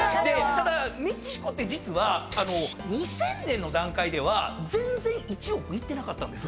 ただメキシコって実は２０００年の段階では全然１億いってなかったんです。